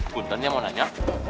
buntanya mau nanya